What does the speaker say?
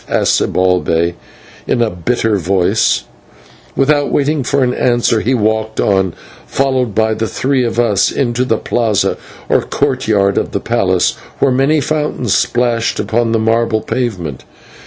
asked Zibalbay in a bitter voice, and, without waiting for an answer, he walked on, followed by the three of us, into the /plaza/ or courtyard of the palace, where many fountains splashed upon the marble pavement.